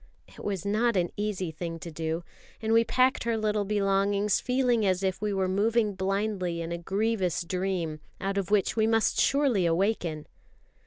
It was not an easy thing to do; and we packed her little belongings feeling as if we were moving blindly in a grievous dream, out of which we must surely awaken.